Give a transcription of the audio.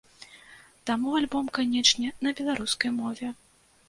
Таму альбом, канечне, на беларускай мове.